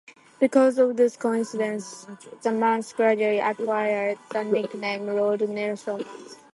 Because of this coincidence, the mass gradually acquired the nickname "Lord Nelson Mass".